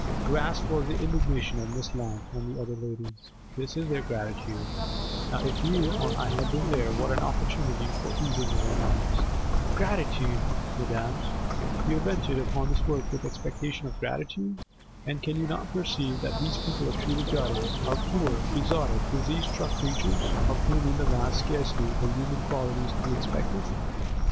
Vast was the indignation of Miss Lant and the other ladies. 'This is their gratitude!' Now if you or I had been there, what an opportunity for easing our minds! 'Gratitude, mesdames? You have entered upon this work with expectation of gratitude?—And can you not perceive that these people of Shooter's Gardens are poor, besotted, disease struck creatures, of whom—in the mass—scarcely a human quality is to be expected?